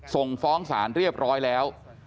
ส่งฟ้องศาลเรียบร้อยแล้ว